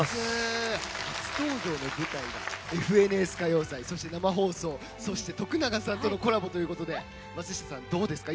初登場の舞台が「ＦＮＳ歌謡祭」そして生放送徳永さんとのコラボということで松下さん、どうですか？